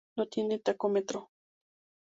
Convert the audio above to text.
No tiene tacómetro.